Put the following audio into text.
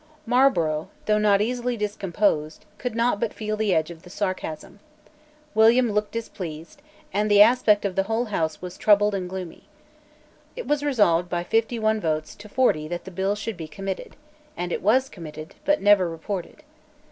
Marlborough, though not easily discomposed, could not but feel the edge of this sarcasm; William looked displeased; and the aspect of the whole House was troubled and gloomy. It was resolved by fifty one votes to forty that the bill should be committed; and it was committed, but never reported.